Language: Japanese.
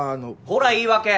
ほら言い訳！